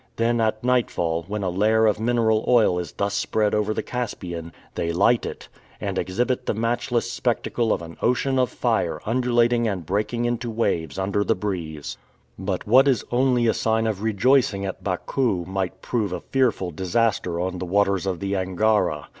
Then at nightfall, when a layer of mineral oil is thus spread over the Caspian, they light it, and exhibit the matchless spectacle of an ocean of fire undulating and breaking into waves under the breeze. But what is only a sign of rejoicing at Bakou, might prove a fearful disaster on the waters of the Angara.